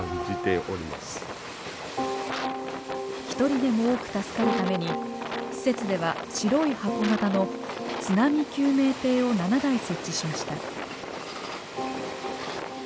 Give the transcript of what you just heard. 一人でも多く助かるために施設では白い箱型の津波救命艇を７台設置しました。